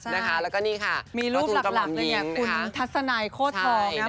แล้วก็นี่ค่ะมีรูปหลักของคุณทัชนายโคตรทอง